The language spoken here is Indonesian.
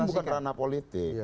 bugatan itu bukan ranah politik